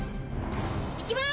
いきます！